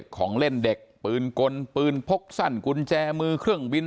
ของเล่นเด็กปืนกลปืนพกสั้นกุญแจมือเครื่องบิน